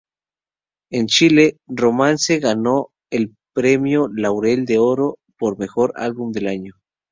En Chile, "Romance" ganó el premio Laurel de Oro por mejor álbum del año.